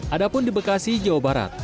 ada pun di bekasi jawa barat